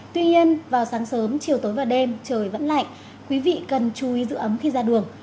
tuy nhiên vào sáng sớm chiều tối và đêm trời vẫn lạnh quý vị cần chú ý giữ ấm khi ra đường